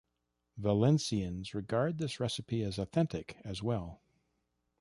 Valencians regard this recipe as authentic, as well.